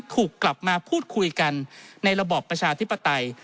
กลับมาพูดคุยกันในระบอบประชาธิปไตย